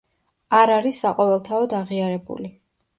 არ არის საყოველთაოდ აღიარებული.